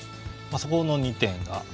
そこの２点が。